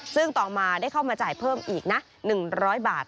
ซึ่งต่อมาได้เข้ามาใจเพิ่มหนึ่งร้อยบาท